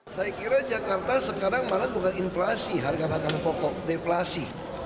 saya kira jakarta sekarang maret bukan inflasi harga makanan pokok deflasi